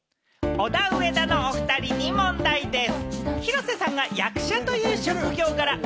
オダウエダのお２人に問題です。